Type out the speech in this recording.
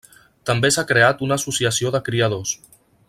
També s'ha creat una associació de criadors.